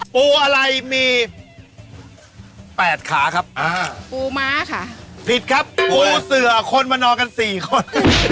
ปูอะไรมีแปดขาครับปูม้าค่ะผิดครับปูเสือคนมานอนกันสี่คน